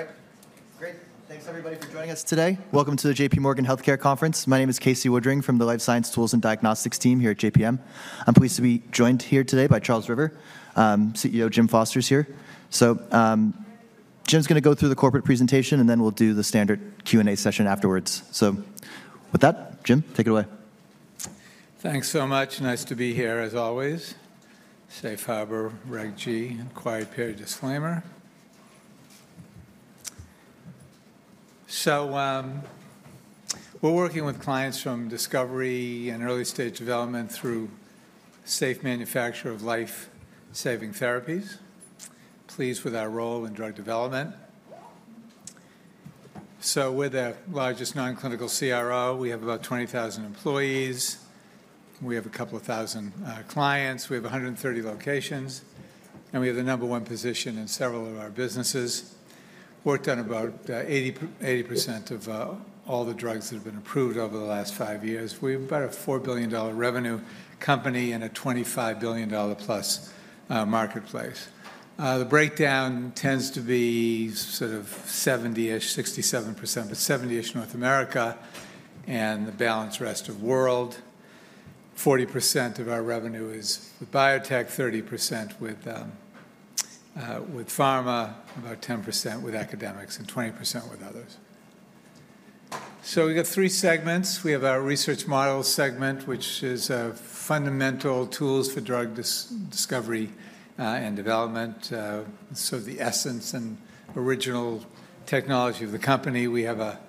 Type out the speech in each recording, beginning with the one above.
All right. Great. Thanks, everybody, for joining us today. Welcome to the JPMorgan Healthcare Conference. My name is Casey Woodring from the Life Science Tools and Diagnostics team here at JPM. I'm pleased to be joined here today by Charles River. CEO Jim Foster's here. So Jim's going to go through the corporate presentation, and then we'll do the standard Q&A session afterwards. So with that, Jim, take it away. Thanks so much. Nice to be here, as always. Safe Harbor, Reg G, and Quiet Period disclaimer, so we're working with clients from discovery and early stage development through safe manufacture of life-saving therapies. Pleased with our role in drug development, so we're the largest non-clinical CRO. We have about 20,000 employees. We have a couple of thousand clients. We have 130 locations, and we have the number one position in several of our businesses. Work done about 80% of all the drugs that have been approved over the last five years. We're about a $4 billion revenue company in a $25 billion-plus marketplace. The breakdown tends to be sort of 70-ish, 67%, but 70-ish North America and the balance, the rest of the world. 40% of our revenue is with biotech, 30% with pharma, about 10% with academics, and 20% with others, so we've got three segments. We have our research models segment, which is fundamental tools for drug discovery and development. So the essence and original technology of the company. We have a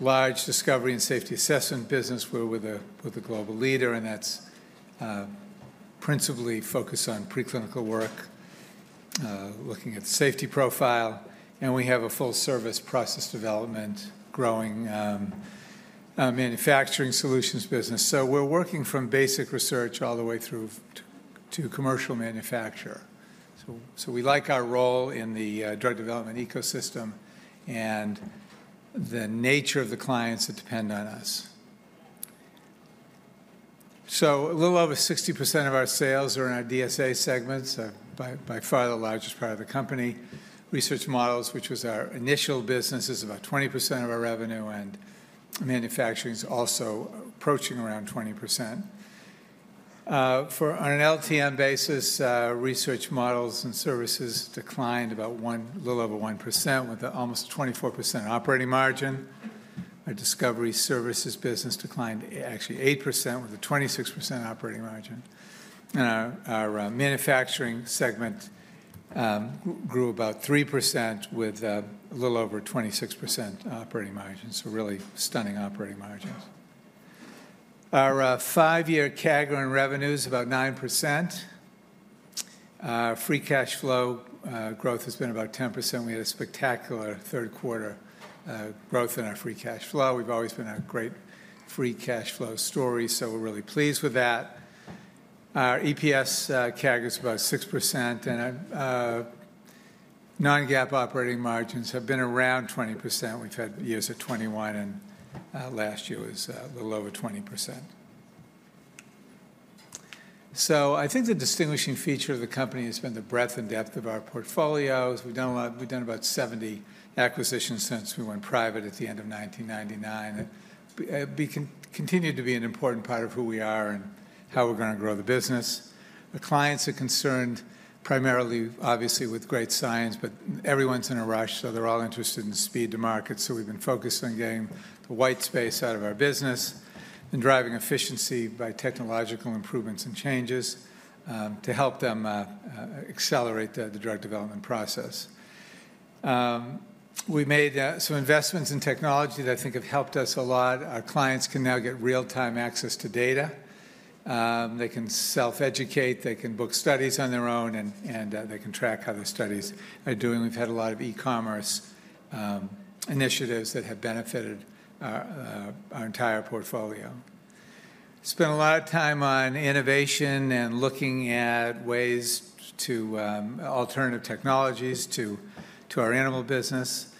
large discovery and safety assessment business. We are a global leader, and that's principally focused on preclinical work, looking at the safety profile. And we have a full-service process development, growing manufacturing solutions business. So we're working from basic research all the way through to commercial manufacture. So we like our role in the drug development ecosystem and the nature of the clients that depend on us. So a little over 60% of our sales are in our DSA segments, by far the largest part of the company. Research models, which was our initial business, is about 20% of our revenue, and manufacturing is also approaching around 20%. On an LTM basis, research models and services declined about a little over 1%, with almost 24% operating margin. Our discovery services business declined actually 8%, with a 26% operating margin, and our manufacturing segment grew about 3%, with a little over 26% operating margin, so really stunning operating margins. Our five-year CAGR in revenue is about 9%. Our free cash flow growth has been about 10%. We had a spectacular third quarter growth in our free cash flow. We've always been a great free cash flow story, so we're really pleased with that. Our EPS CAGR is about 6%, and non-GAAP operating margins have been around 20%. We've had years at 21, and last year was a little over 20%, so I think the distinguishing feature of the company has been the breadth and depth of our portfolios. We've done about 70 acquisitions since we went private at the end of 1999. We continue to be an important part of who we are and how we're going to grow the business. Our clients are concerned primarily, obviously, with great science, but everyone's in a rush, so they're all interested in speed to market. So we've been focused on getting the white space out of our business and driving efficiency by technological improvements and changes to help them accelerate the drug development process. We made some investments in technology that I think have helped us a lot. Our clients can now get real-time access to data. They can self-educate. They can book studies on their own, and they can track how their studies are doing. We've had a lot of e-commerce initiatives that have benefited our entire portfolio. Spent a lot of time on innovation and looking at ways to alternative technologies to our animal business.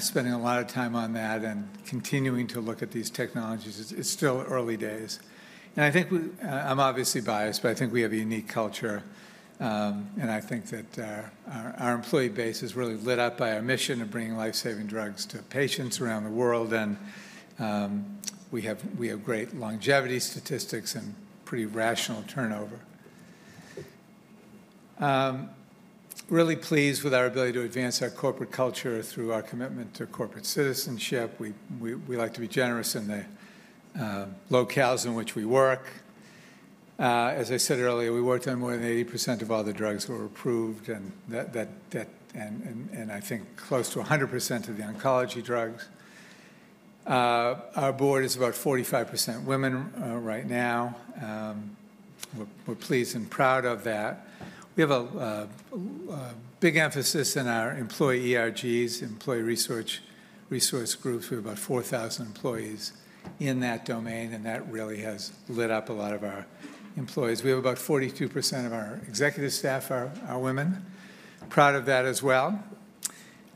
Spending a lot of time on that and continuing to look at these technologies. It's still early days. And I think I'm obviously biased, but I think we have a unique culture. And I think that our employee base is really lit up by our mission of bringing life-saving drugs to patients around the world. And we have great longevity statistics and pretty rational turnover. Really pleased with our ability to advance our corporate culture through our commitment to corporate citizenship. We like to be generous in the locales in which we work. As I said earlier, we worked on more than 80% of all the drugs that were approved, and I think close to 100% of the oncology drugs. Our board is about 45% women right now. We're pleased and proud of that. We have a big emphasis in our employee ERGs, employee resource groups. We have about 4,000 employees in that domain, and that really has lit up a lot of our employees. We have about 42% of our executive staff are women. Proud of that as well.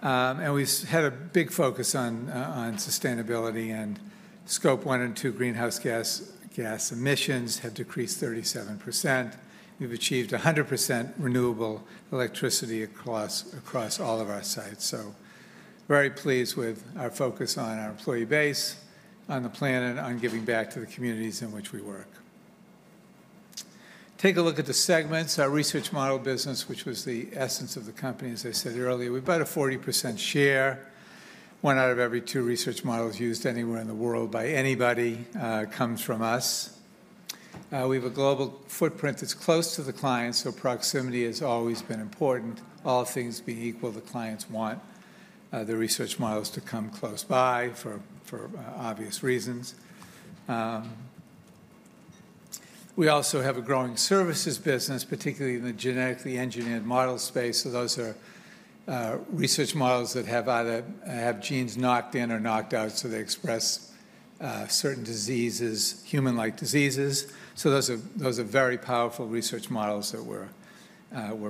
And we've had a big focus on sustainability, and Scope 1 and 2 greenhouse gas emissions have decreased 37%. We've achieved 100% renewable electricity across all of our sites. So very pleased with our focus on our employee base, on the planet, and on giving back to the communities in which we work. Take a look at the segments. Our research model business, which was the essence of the company, as I said earlier, we've got a 40% share. One out of every two research models used anywhere in the world by anybody comes from us. We have a global footprint that's close to the clients, so proximity has always been important. All things being equal, the clients want the research models to come close by for obvious reasons. We also have a growing services business, particularly in the genetically engineered model space. So those are research models that have either genes knocked in or knocked out, so they express certain human-like diseases. So those are very powerful research models that we're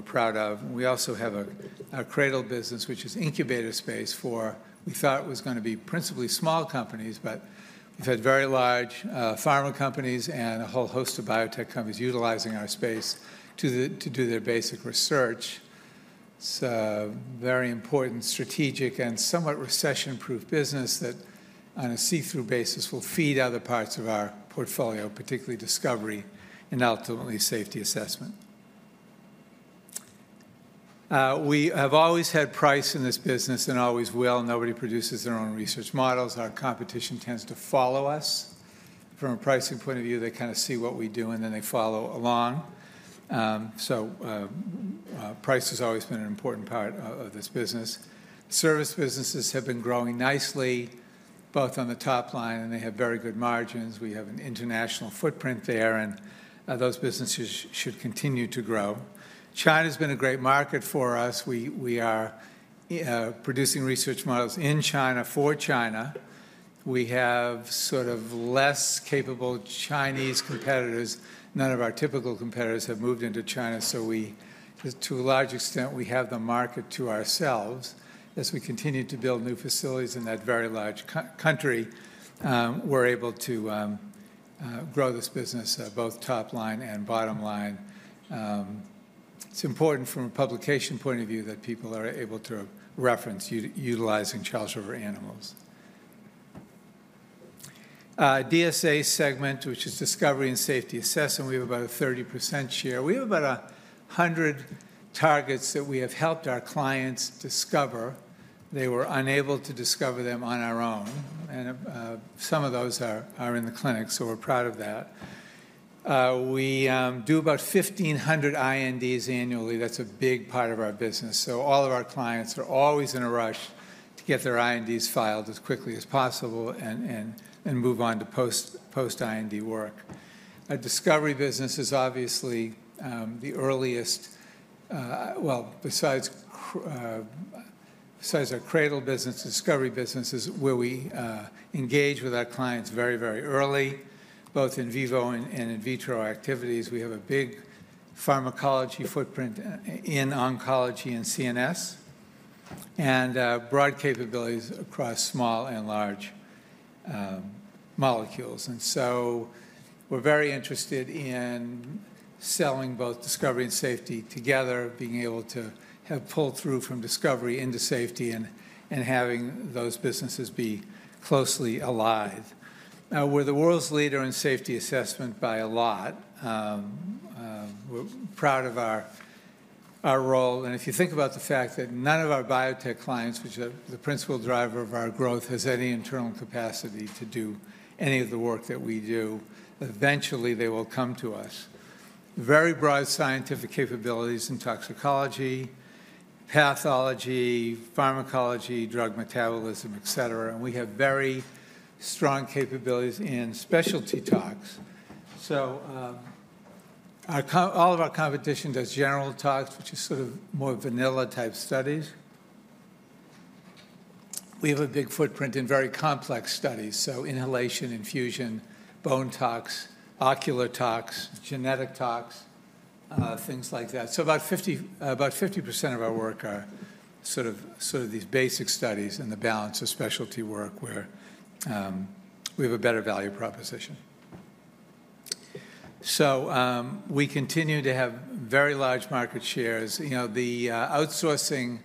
proud of. We also have a CRADL business, which is incubator space for we thought it was going to be principally small companies, but we've had very large pharma companies and a whole host of biotech companies utilizing our space to do their basic research. It's a very important strategic and somewhat recession-proof business that, on a see-through basis, will feed other parts of our portfolio, particularly discovery and ultimately safety assessment. We have always had price in this business and always will. Nobody produces their own research models. Our competition tends to follow us. From a pricing point of view, they kind of see what we do, and then they follow along. So price has always been an important part of this business. Service businesses have been growing nicely, both on the top line, and they have very good margins. We have an international footprint there, and those businesses should continue to grow. China has been a great market for us. We are producing research models in China for China. We have sort of less capable Chinese competitors. None of our typical competitors have moved into China. So to a large extent, we have the market to ourselves. As we continue to build new facilities in that very large country, we're able to grow this business, both top line and bottom line. It's important from a publication point of view that people are able to reference utilizing Charles River animals. DSA segment, which is Discovery and Safety Assessment, we have about a 30% share. We have about 100 targets that we have helped our clients discover. They were unable to discover them on their own. And some of those are in the clinic, so we're proud of that. We do about 1,500 INDs annually. That's a big part of our business. All of our clients are always in a rush to get their INDs filed as quickly as possible and move on to post-IND work. Our discovery business is obviously the earliest. Besides our CRADL business, discovery business is where we engage with our clients very, very early, both in vivo and in vitro activities. We have a big pharmacology footprint in oncology and CNS and broad capabilities across small and large molecules. And so we're very interested in selling both discovery and safety together, being able to have pulled through from discovery into safety and having those businesses be closely allied. We're the world's leader in safety assessment by a lot. We're proud of our role. And if you think about the fact that none of our biotech clients, which are the principal driver of our growth, has any internal capacity to do any of the work that we do, eventually they will come to us. Very broad scientific capabilities in toxicology, pathology, pharmacology, drug metabolism, et cetera. And we have very strong capabilities in specialty tox. So all of our competition does general tox, which is sort of more vanilla-type studies. We have a big footprint in very complex studies, so inhalation, infusion, bone tox, ocular tox, genetic tox, things like that. So about 50% of our work are sort of these basic studies and the balance of specialty work where we have a better value proposition. So we continue to have very large market shares. The outsourcing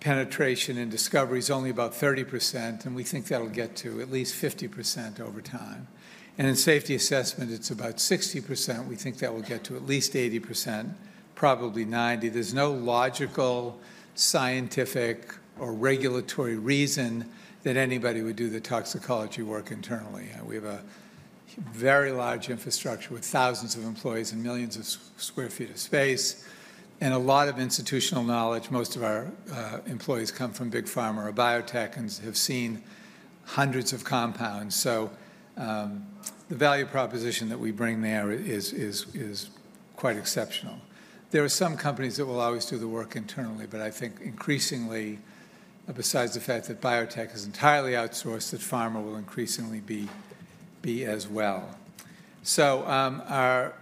penetration in discovery is only about 30%, and we think that'll get to at least 50% over time. And in safety assessment, it's about 60%. We think that will get to at least 80%, probably 90. There's no logical, scientific, or regulatory reason that anybody would do the toxicology work internally. We have a very large infrastructure with thousands of employees and millions of sq ft of space and a lot of institutional knowledge. Most of our employees come from big pharma or biotech and have seen hundreds of compounds. So the value proposition that we bring there is quite exceptional. There are some companies that will always do the work internally, but I think increasingly, besides the fact that biotech is entirely outsourced, that pharma will increasingly be as well. So our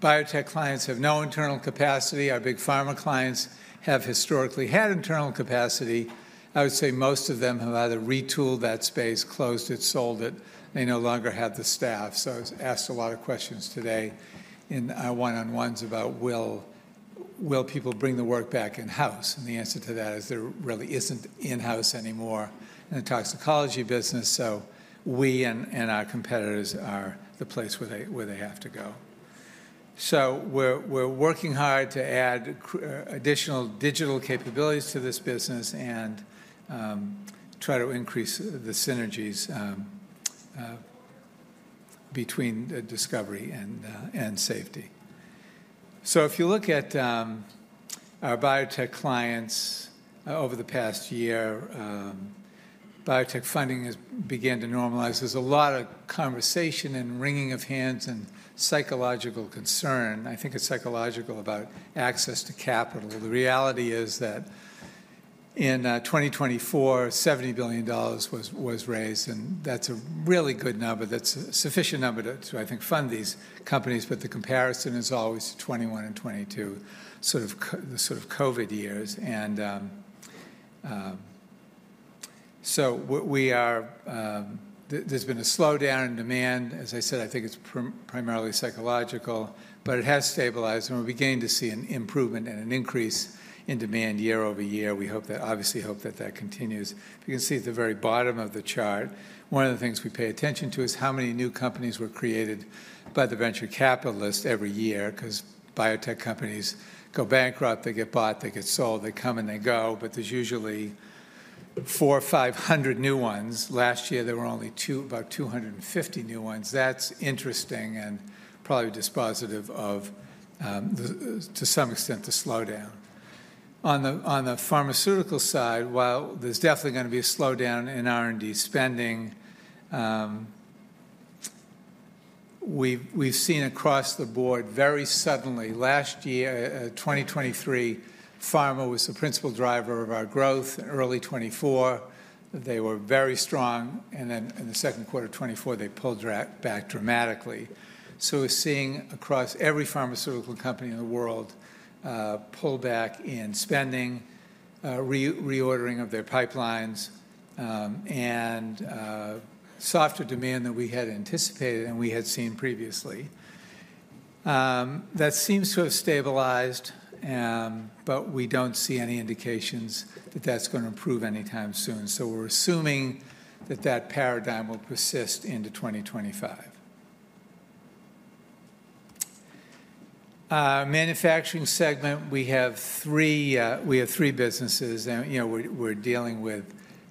biotech clients have no internal capacity. Our big pharma clients have historically had internal capacity. I would say most of them have either retooled that space, closed it, sold it. They no longer have the staff. So I've asked a lot of questions today in our one-on-ones about, "Will people bring the work back in-house?" And the answer to that is there really isn't in-house anymore in the toxicology business. So we and our competitors are the place where they have to go. So we're working hard to add additional digital capabilities to this business and try to increase the synergies between discovery and safety. So if you look at our biotech clients over the past year, biotech funding has begun to normalize. There's a lot of conversation and wringing of hands and psychological concern. I think it's psychological about access to capital. The reality is that in 2024, $70 billion was raised, and that's a really good number. That's a sufficient number to, I think, fund these companies. But the comparison is always 2021 and 2022, sort of the sort of COVID years. And so there's been a slowdown in demand. As I said, I think it's primarily psychological, but it has stabilized. And we're beginning to see an improvement and an increase in demand year over year. We obviously hope that that continues. If you can see at the very bottom of the chart, one of the things we pay attention to is how many new companies were created by the venture capitalist every year because biotech companies go bankrupt. They get bought. They get sold. They come and they go. But there's usually 400, 500 new ones. Last year, there were only about 250 new ones. That's interesting and probably dispositive of, to some extent, the slowdown. On the pharmaceutical side, while there's definitely going to be a slowdown in R&D spending, we've seen across the board very suddenly last year, 2023, pharma was the principal driver of our growth in early 2024. They were very strong. And then in the second quarter of 2024, they pulled back dramatically. We're seeing across every pharmaceutical company in the world pull back in spending, reordering of their pipelines, and softer demand than we had anticipated and we had seen previously. That seems to have stabilized, but we don't see any indications that that's going to improve anytime soon. We're assuming that that paradigm will persist into 2025. Manufacturing segment, we have three businesses. We're dealing with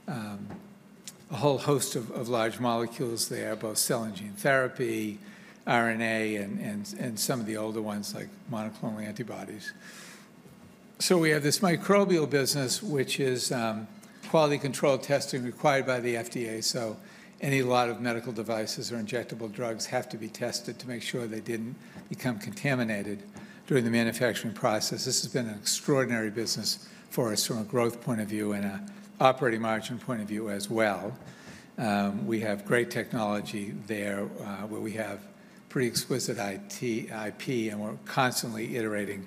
a whole host of large molecules there, both cell and gene therapy, RNA, and some of the older ones like monoclonal antibodies. We have this microbial business, which is quality control testing required by the FDA. Any lot of medical devices or injectable drugs have to be tested to make sure they didn't become contaminated during the manufacturing process. This has been an extraordinary business for us from a growth point of view and an operating margin point of view as well. We have great technology there where we have pretty exquisite IP, and we're constantly iterating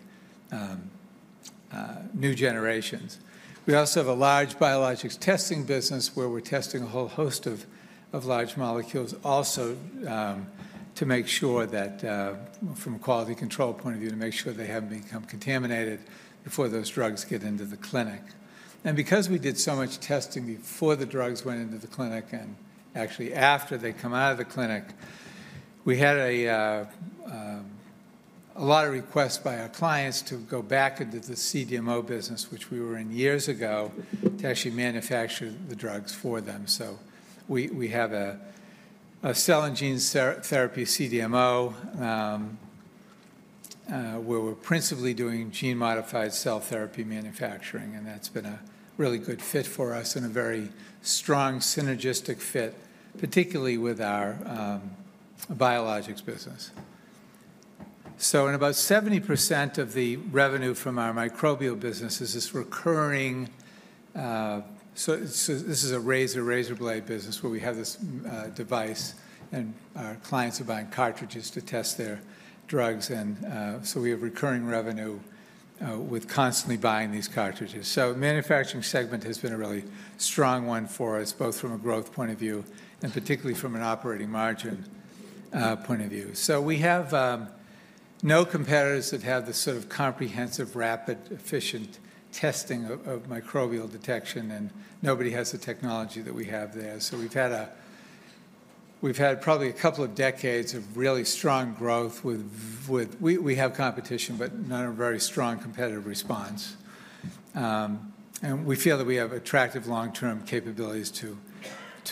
new generations. We also have a large biologics testing business where we're testing a whole host of large molecules also to make sure that from a quality control point of view, to make sure they haven't become contaminated before those drugs get into the clinic, and because we did so much testing before the drugs went into the clinic and actually after they come out of the clinic, we had a lot of requests by our clients to go back into the CDMO business, which we were in years ago, to actually manufacture the drugs for them. So, we have a cell and gene therapy CDMO where we're principally doing gene-modified cell therapy manufacturing. And that's been a really good fit for us and a very strong synergistic fit, particularly with our biologics business. So, about 70% of the revenue from our microbial business is recurring, so this is a razor-blade business where we have this device, and our clients are buying cartridges to test their drugs. And so we have recurring revenue with constantly buying these cartridges. So manufacturing segment has been a really strong one for us, both from a growth point of view and particularly from an operating margin point of view. So, we have no competitors that have the sort of comprehensive, rapid, efficient testing of microbial detection, and nobody has the technology that we have there. So we've had probably a couple of decades of really strong growth with. We have competition, but none of very strong competitive response. And we feel that we have attractive long-term capabilities to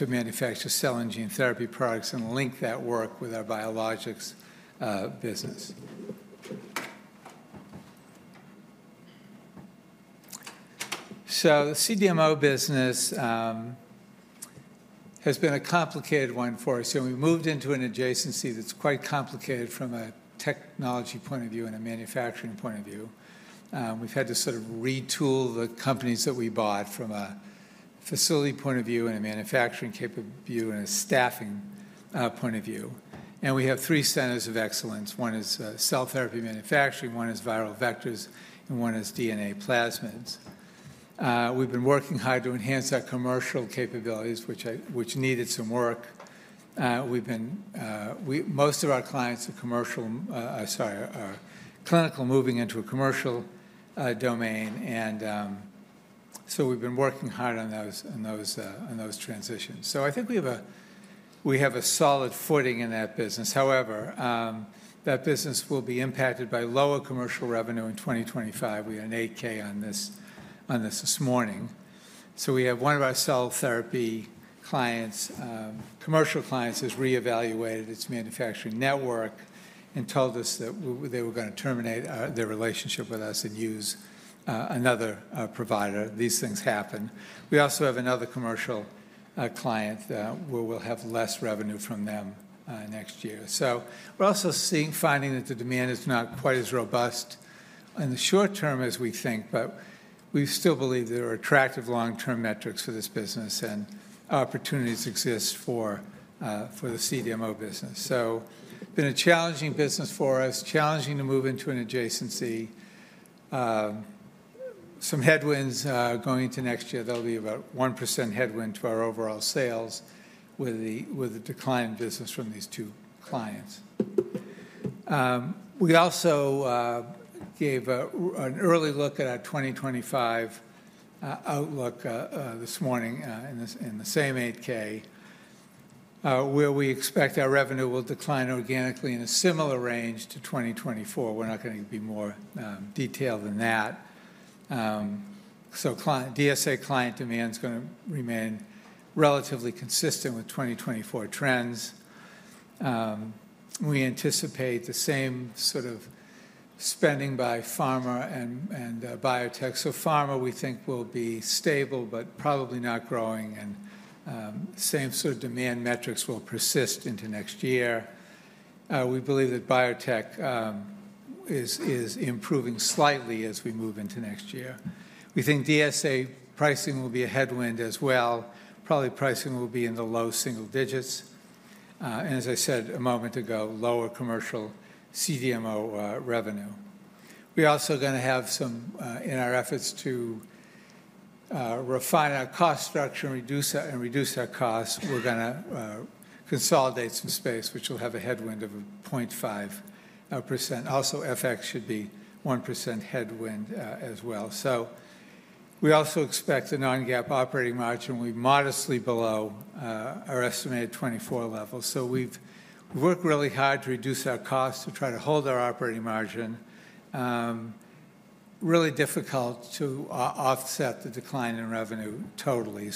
manufacture cell and gene therapy products and link that work with our biologics business. So the CDMO business has been a complicated one for us. So we moved into an adjacency that's quite complicated from a technology point of view and a manufacturing point of view. We've had to sort of retool the companies that we bought from a facility point of view and a manufacturing point of view and a staffing point of view. And we have three centers of excellence. One is cell therapy manufacturing. One is viral vectors, and one is DNA plasmids. We've been working hard to enhance our commercial capabilities, which needed some work. Most of our clients are clinical, moving into a commercial domain, and so we've been working hard on those transitions, so I think we have a solid footing in that business. However, that business will be impacted by lower commercial revenue in 2025. We had an 8-K on this this morning, so we have one of our cell therapy clients, commercial clients, has reevaluated its manufacturing network and told us that they were going to terminate their relationship with us and use another provider. These things happen. We also have another commercial client where we'll have less revenue from them next year, so we're also finding that the demand is not quite as robust in the short term, as we think, but we still believe there are attractive long-term metrics for this business and opportunities exist for the CDMO business. It's been a challenging business for us, challenging to move into an adjacency. Some headwinds going into next year. There'll be about 1% headwind to our overall sales with a decline in business from these two clients. We also gave an early look at our 2025 outlook this morning in the same 8-K, where we expect our revenue will decline organically in a similar range to 2024. We're not going to be more detailed than that. So DSA client demand is going to remain relatively consistent with 2024 trends. We anticipate the same sort of spending by pharma and biotech. So pharma, we think, will be stable but probably not growing, and same sort of demand metrics will persist into next year. We believe that biotech is improving slightly as we move into next year. We think DSA pricing will be a headwind as well. Probably pricing will be in the low single digits, and as I said a moment ago, lower commercial CDMO revenue. We're also going to have some, in our efforts to refine our cost structure and reduce our costs, we're going to consolidate some space, which will have a headwind of 0.5%. Also, FX should be 1% headwind as well. We also expect a non-GAAP operating margin will be modestly below our estimated 2024 level. We've worked really hard to reduce our costs to try to hold our operating margin. Really difficult to offset the decline in revenue totally.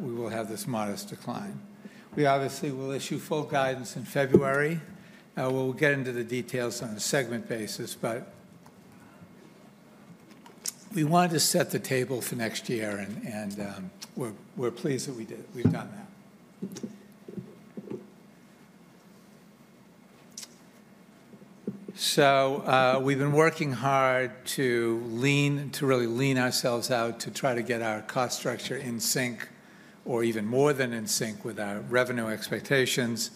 We will have this modest decline. We obviously will issue full guidance in February. We'll get into the details on a segment basis, but we wanted to set the table for next year, and we're pleased that we've done that. So we've been working hard to really lean ourselves out to try to get our cost structure in sync or even more than in sync with our revenue expectations.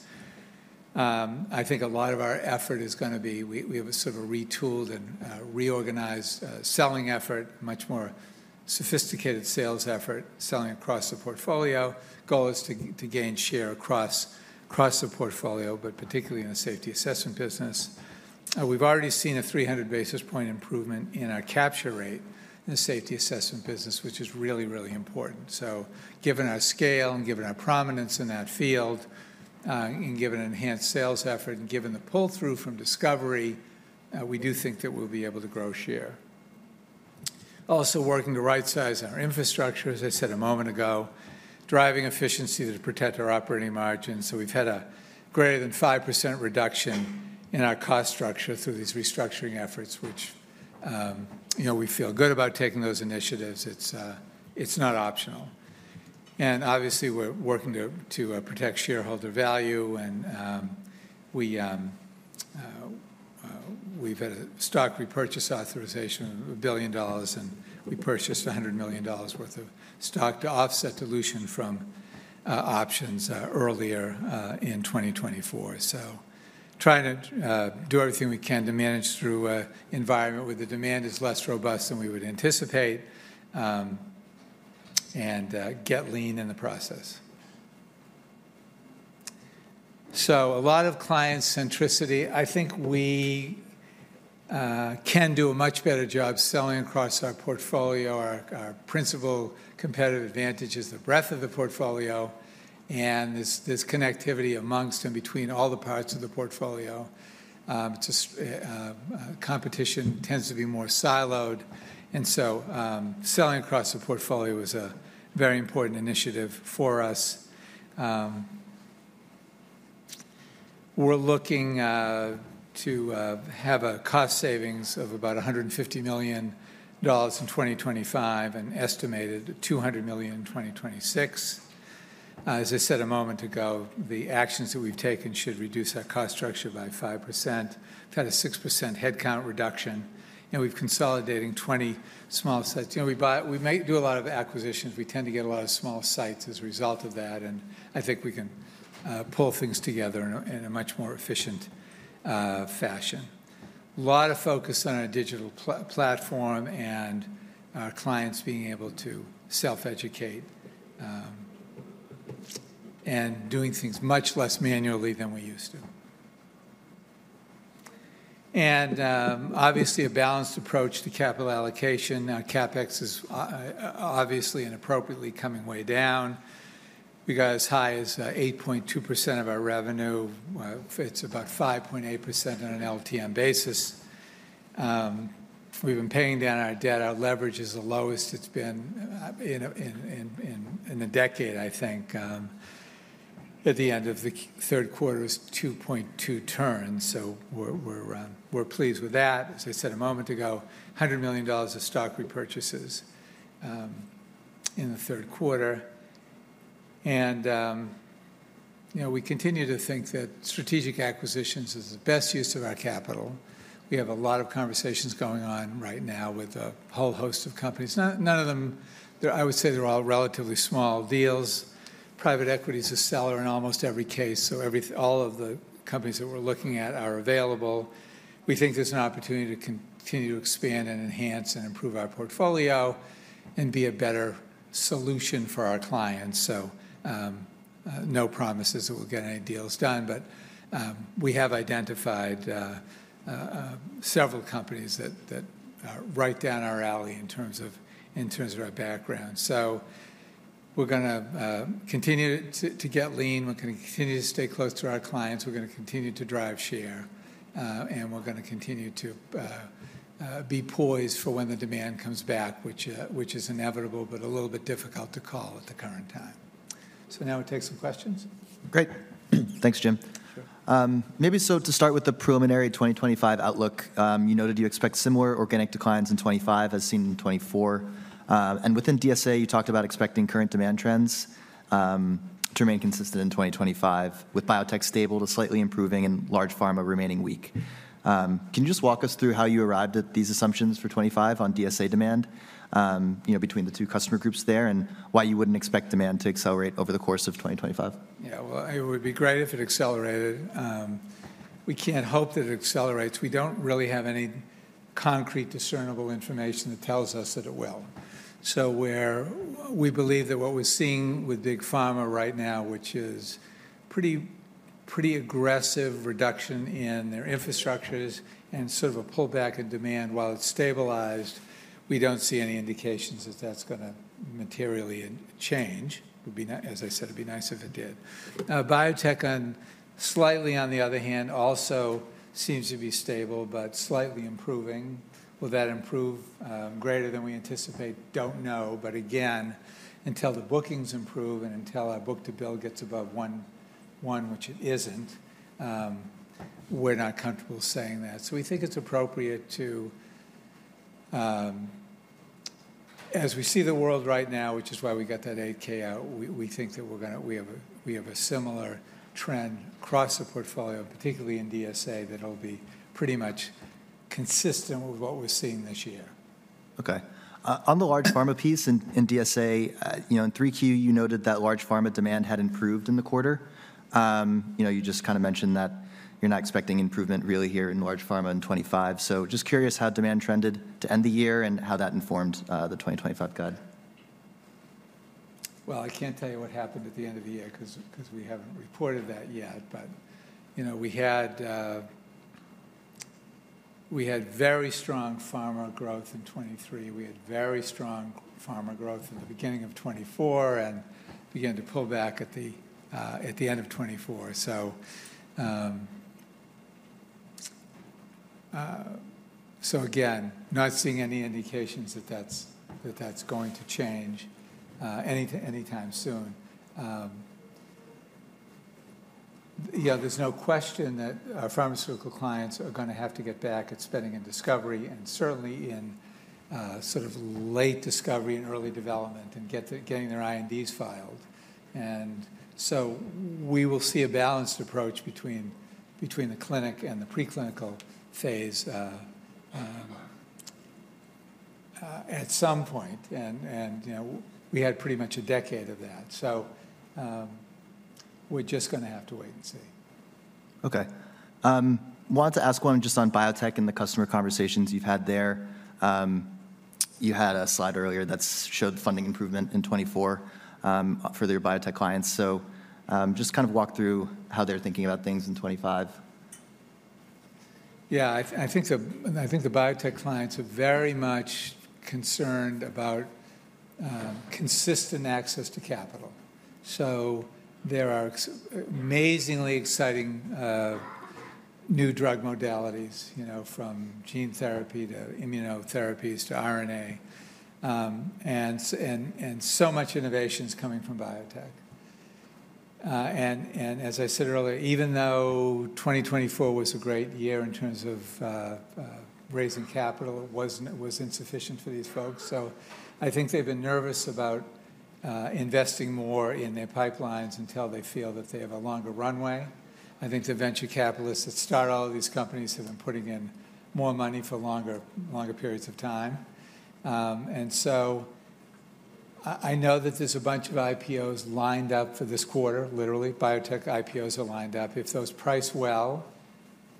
I think a lot of our effort is going to be we have a sort of a retooled and reorganized selling effort, much more sophisticated sales effort selling across the portfolio. The goal is to gain share across the portfolio, but particularly in the safety assessment business. We've already seen a 300 basis points improvement in our capture rate in the safety assessment business, which is really, really important. So given our scale and given our prominence in that field and given enhanced sales effort and given the pull-through from discovery, we do think that we'll be able to grow share. Also working to right-size our infrastructure, as I said a moment ago, driving efficiency to protect our operating margins. So we've had a greater than 5% reduction in our cost structure through these restructuring efforts, which we feel good about taking those initiatives. It's not optional. And obviously, we're working to protect shareholder value. And we've had a stock repurchase authorization of $1 billion, and we purchased $100 million worth of stock to offset dilution from options earlier in 2024. So trying to do everything we can to manage through an environment where the demand is less robust than we would anticipate and get lean in the process. So a lot of client centricity. I think we can do a much better job selling across our portfolio. Our principal competitive advantage is the breadth of the portfolio and this connectivity amongst and between all the parts of the portfolio. Competition tends to be more siloed. And so selling across the portfolio is a very important initiative for us. We're looking to have a cost savings of about $150 million in 2025 and estimated $200 million in 2026. As I said a moment ago, the actions that we've taken should reduce our cost structure by 5%. We've had a 6% headcount reduction, and we're consolidating 20 small sites. We do a lot of acquisitions. We tend to get a lot of small sites as a result of that. And I think we can pull things together in a much more efficient fashion. A lot of focus on our digital platform and our clients being able to self-educate and doing things much less manually than we used to. And obviously, a balanced approach to capital allocation. Our CapEx is obviously and appropriately coming way down. We got as high as 8.2% of our revenue. It's about 5.8% on an LTM basis. We've been paying down our debt. Our leverage is the lowest it's been in a decade, I think. At the end of the third quarter, it was 2.2 turns. So we're pleased with that. As I said a moment ago, $100 million of stock repurchases in the third quarter. And we continue to think that strategic acquisitions is the best use of our capital. We have a lot of conversations going on right now with a whole host of companies. None of them, I would say they're all relatively small deals. Private equity is a seller in almost every case. So all of the companies that we're looking at are available. We think there's an opportunity to continue to expand and enhance and improve our portfolio and be a better solution for our clients. So no promises that we'll get any deals done. But we have identified several companies that are right down our alley in terms of our background. So we're going to continue to get lean. We're going to continue to stay close to our clients. We're going to continue to drive share. And we're going to continue to be poised for when the demand comes back, which is inevitable, but a little bit difficult to call at the current time. So now we take some questions. Great. Thanks, Jim. So to start with the preliminary 2025 outlook, you noted you expect similar organic declines in 2025 as seen in 2024, and within DSA, you talked about expecting current demand trends to remain consistent in 2025, with biotech stable to slightly improving and large pharma remaining weak. Can you just walk us through how you arrived at these assumptions for 2025 on DSA demand between the two customer groups there and why you wouldn't expect demand to accelerate over the course of 2025? Yeah, well, it would be great if it accelerated. We can't hope that it accelerates. We don't really have any concrete discernible information that tells us that it will. So we believe that what we're seeing with big pharma right now, which is a pretty aggressive reduction in their infrastructures and sort of a pullback in demand while it's stabilized, we don't see any indications that that's going to materially change. As I said, it'd be nice if it did. Biotech, slightly on the other hand, also seems to be stable but slightly improving. Will that improve greater than we anticipate? Don't know. But again, until the bookings improve and until our Book-to-Bill gets above 1, which it isn't, we're not comfortable saying that. So we think it's appropriate to, as we see the world right now, which is why we got that 8-K out, we think that we have a similar trend across the portfolio, particularly in DSA, that it'll be pretty much consistent with what we're seeing this year. Okay. On the large pharma piece in DSA, in 3Q, you noted that large pharma demand had improved in the quarter. You just kind of mentioned that you're not expecting improvement really here in large pharma in 2025. So just curious how demand trended to end the year and how that informed the 2025 guide. I can't tell you what happened at the end of the year because we haven't reported that yet, but we had very strong pharma growth in 2023. We had very strong pharma growth at the beginning of 2024 and began to pull back at the end of 2024, so again, not seeing any indications that that's going to change anytime soon. Yeah, there's no question that our pharmaceutical clients are going to have to get back at spending in discovery and certainly in sort of late discovery and early development and getting their INDs filed, and so we will see a balanced approach between the clinic and the preclinical phase at some point, and we had pretty much a decade of that. We're just going to have to wait and see. Okay. Wanted to ask one just on biotech and the customer conversations you've had there. You had a slide earlier that showed funding improvement in 2024 for their biotech clients. So just kind of walk through how they're thinking about things in 2025. Yeah, I think the biotech clients are very much concerned about consistent access to capital. So there are amazingly exciting new drug modalities from gene therapy to immunotherapies to RNA. And so much innovation is coming from biotech. And as I said earlier, even though 2024 was a great year in terms of raising capital, it wasn't insufficient for these folks. So I think they've been nervous about investing more in their pipelines until they feel that they have a longer runway. I think the venture capitalists that start all of these companies have been putting in more money for longer periods of time. And so I know that there's a bunch of IPOs lined up for this quarter, literally. Biotech IPOs are lined up. If those price well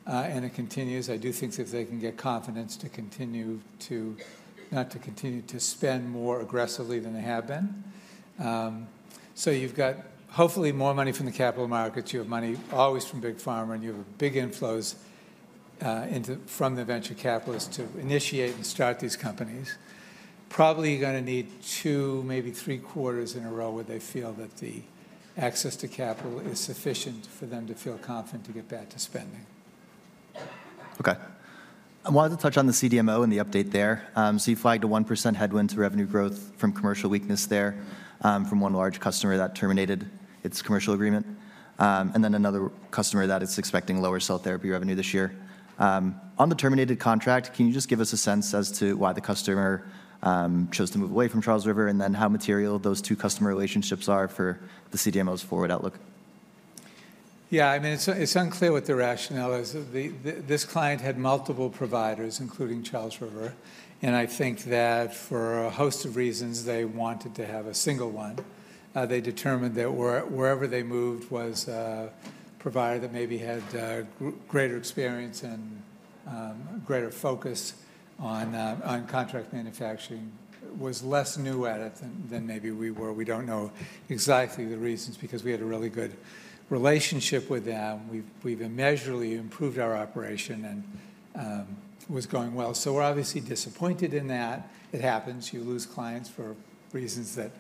and it continues, I do think that they can get confidence to continue to spend more aggressively than they have been. So you've got hopefully more money from the capital markets. You have money always from big pharma, and you have big inflows from the venture capitalists to initiate and start these companies. Probably going to need two, maybe three quarters in a row where they feel that the access to capital is sufficient for them to feel confident to get back to spending. Okay. I wanted to touch on the CDMO and the update there. So you flagged a 1% headwind to revenue growth from commercial weakness there from one large customer that terminated its commercial agreement. And then another customer that is expecting lower cell therapy revenue this year. On the terminated contract, can you just give us a sense as to why the customer chose to move away from Charles River and then how material those two customer relationships are for the CDMO's forward outlook? Yeah, I mean, it's unclear what the rationale is. This client had multiple providers, including Charles River. And I think that for a host of reasons, they wanted to have a single one. They determined that wherever they moved was a provider that maybe had greater experience and greater focus on contract manufacturing, was less new at it than maybe we were. We don't know exactly the reasons because we had a really good relationship with them. We've immeasurably improved our operation and it was going well. So we're obviously disappointed in that. It happens. You lose clients for reasons that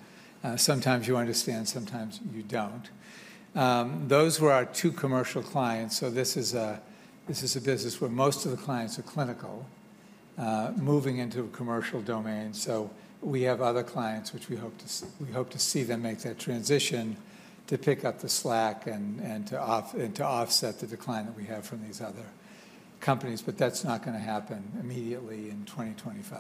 sometimes you understand, sometimes you don't. Those were our two commercial clients. So this is a business where most of the clients are clinical, moving into a commercial domain. So we have other clients, which we hope to see them make that transition to pick up the slack and to offset the decline that we have from these other companies. But that's not going to happen immediately in 2025.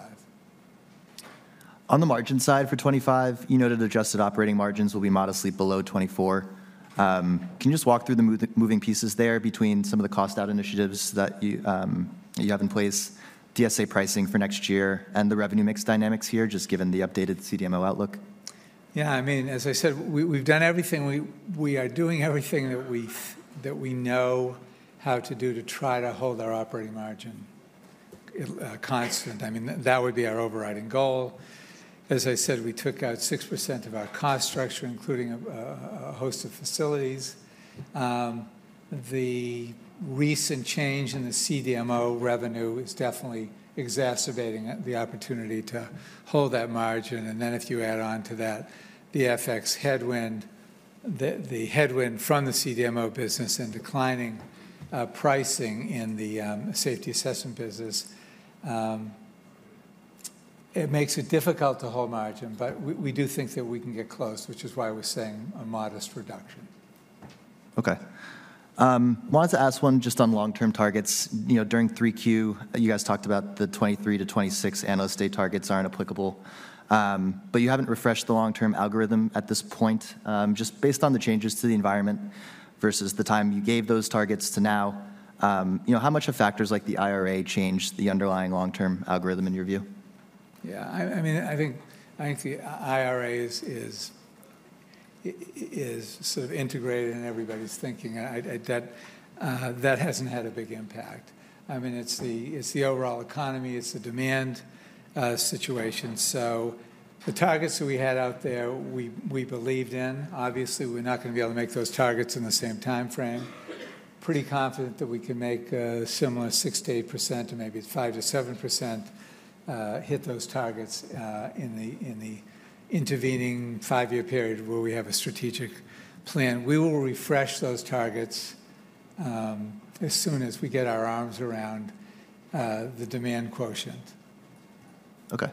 On the margin side for 2025, you noted adjusted operating margins will be modestly below 2024. Can you just walk through the moving pieces there between some of the cost-out initiatives that you have in place, DSA pricing for next year, and the revenue mix dynamics here, just given the updated CDMO outlook? Yeah, I mean, as I said, we've done everything. We are doing everything that we know how to do to try to hold our operating margin constant. I mean, that would be our overriding goal. As I said, we took out 6% of our cost structure, including a host of facilities. The recent change in the CDMO revenue is definitely exacerbating the opportunity to hold that margin. And then if you add on to that the FX headwind, the headwind from the CDMO business and declining pricing in the safety assessment business, it makes it difficult to hold margin. But we do think that we can get close, which is why we're seeing a modest reduction. Okay. Wanted to ask one just on long-term targets. During 3Q, you guys talked about the 2023 to 2026 analyst day targets aren't applicable. But you haven't refreshed the long-term algorithm at this point. Just based on the changes to the environment versus the time you gave those targets to now, how much have factors like the IRA changed the underlying long-term algorithm in your view? Yeah, I mean, I think the IRA is sort of integrated in everybody's thinking. That hasn't had a big impact. I mean, it's the overall economy. It's the demand situation. So the targets that we had out there, we believed in. Obviously, we're not going to be able to make those targets in the same time frame. Pretty confident that we can make a similar 6%-8% or maybe 5%-7% hit those targets in the intervening five-year period where we have a strategic plan. We will refresh those targets as soon as we get our arms around the demand quotient. Okay.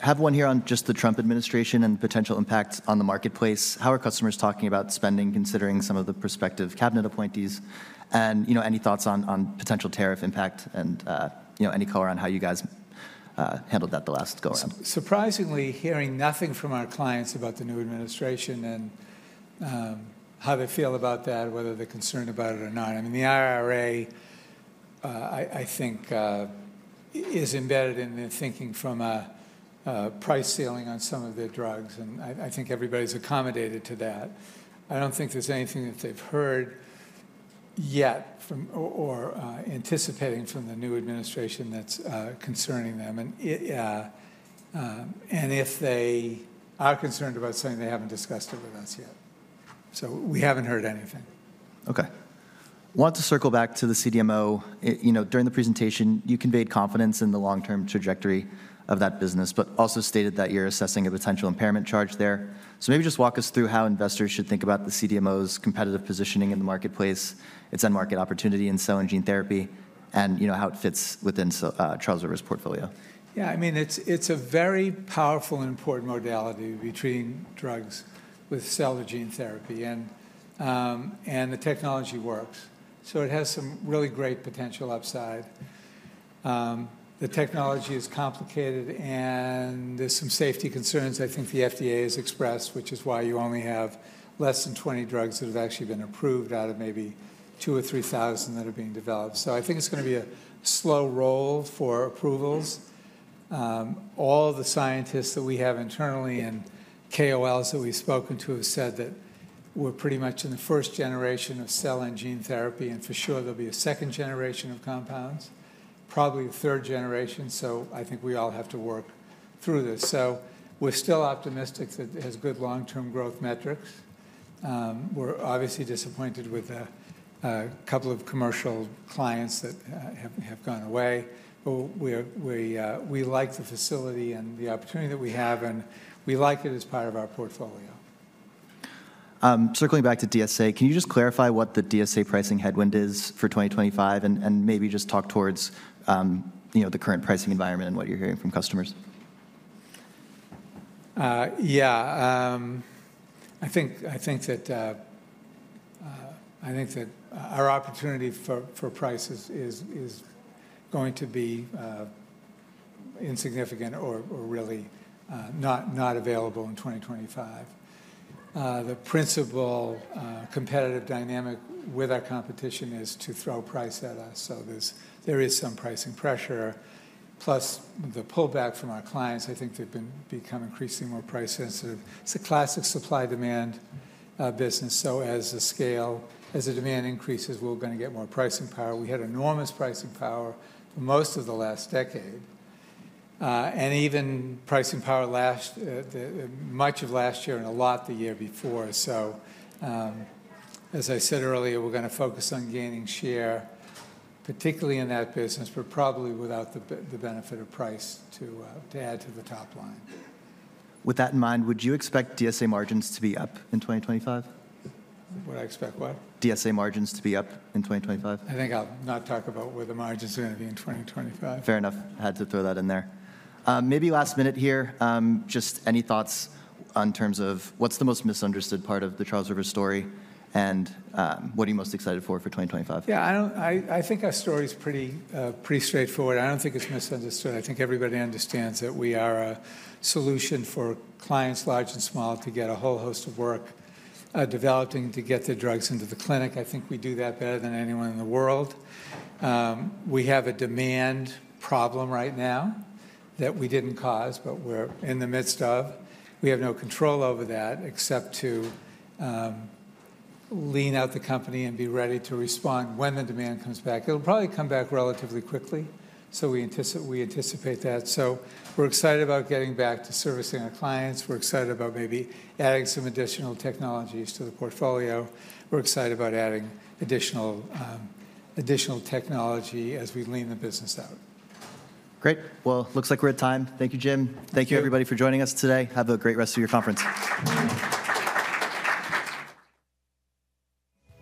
I have one here on just the Trump administration and potential impacts on the marketplace. How are customers talking about spending, considering some of the prospective cabinet appointees? And any thoughts on potential tariff impact and any color on how you guys handled that the last go around? Surprisingly, hearing nothing from our clients about the new administration and how they feel about that, whether they're concerned about it or not. I mean, the IRA, I think, is embedded in their thinking from a price ceiling on some of their drugs, and I think everybody's accommodated to that. I don't think there's anything that they've heard yet or anticipating from the new administration that's concerning them, and if they are concerned about something, they haven't discussed it with us yet, so we haven't heard anything. Okay. Wanted to circle back to the CDMO. During the presentation, you conveyed confidence in the long-term trajectory of that business, but also stated that you're assessing a potential impairment charge there. So maybe just walk us through how investors should think about the CDMO's competitive positioning in the marketplace, its end market opportunity in cell and gene therapy, and how it fits within Charles River's portfolio? Yeah, I mean, it's a very powerful and important modality between drugs with cell or gene therapy. And the technology works. So it has some really great potential upside. The technology is complicated, and there's some safety concerns I think the FDA has expressed, which is why you only have less than 20 drugs that have actually been approved out of maybe 2,000 or 3,000 that are being developed. So I think it's going to be a slow roll for approvals. All the scientists that we have internally and KOLs that we've spoken to have said that we're pretty much in the first generation of cell and gene therapy. And for sure, there'll be a second generation of compounds, probably a third generation. So I think we all have to work through this. So we're still optimistic that it has good long-term growth metrics. We're obviously disappointed with a couple of commercial clients that have gone away. But we like the facility and the opportunity that we have, and we like it as part of our portfolio. Circling back to DSA, can you just clarify what the DSA pricing headwind is for 2025 and maybe just talk towards the current pricing environment and what you're hearing from customers? Yeah. I think that our opportunity for price is going to be insignificant or really not available in 2025. The principal competitive dynamic with our competition is to throw price at us. So there is some pricing pressure. Plus the pullback from our clients, I think they've become increasingly more price sensitive. It's a classic supply-demand business. So as the demand increases, we're going to get more pricing power. We had enormous pricing power for most of the last decade. And even pricing power much of last year and a lot the year before. So as I said earlier, we're going to focus on gaining share, particularly in that business, but probably without the benefit of price to add to the top line. With that in mind, would you expect DSA margins to be up in 2025? What do I expect what? DSA margins to be up in 2025. I think I'll not talk about where the margins are going to be in 2025. Fair enough. Had to throw that in there. Maybe last minute here, just any thoughts in terms of what's the most misunderstood part of the Charles River story and what are you most excited for 2025? Yeah, I think our story is pretty straightforward. I don't think it's misunderstood. I think everybody understands that we are a solution for clients large and small to get a whole host of work developing to get their drugs into the clinic. I think we do that better than anyone in the world. We have a demand problem right now that we didn't cause, but we're in the midst of. We have no control over that except to lean out the company and be ready to respond when the demand comes back. It'll probably come back relatively quickly. So we anticipate that. So we're excited about getting back to servicing our clients. We're excited about maybe adding some additional technologies to the portfolio. We're excited about adding additional technology as we lean the business out. Great. Well, it looks like we're at time. Thank you, Jim. Thank you, everybody, for joining us today. Have a great rest of your conference.